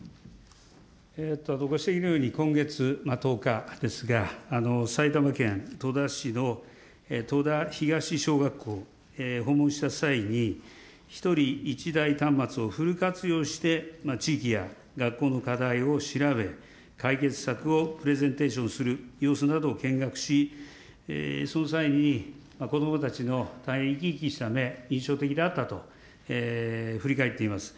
ご指摘のように、今月１０日ですが、埼玉県戸田市の戸田東小学校を訪問した際に、１人１台端末をフル活用して地域や学校の課題を調べ、解決策をプレゼンテーションする様子などを見学し、その際に子どもたちの大変生き生きした目、印象的であったと振り返っています。